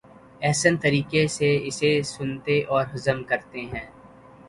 احسن طریقے سے اسے سنتے اور ہضم کرتے ہیں۔